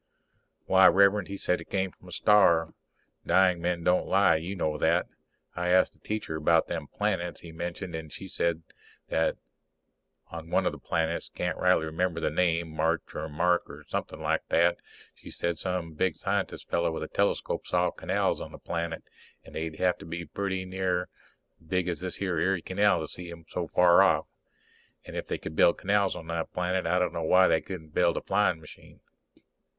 _ Why, Rev'rend, he said it come from a star. Dying men don't lie, you know that. I asked the Teacher about them planets he mentioned and she says that on one of the planets can't rightly remember the name, March or Mark or something like that she says some big scientist feller with a telescope saw canals on that planet, and they'd hev to be pretty near as big as this here Erie canal to see them so far off. And if they could build canals on that planet I d'no why they couldn't build a flying machine.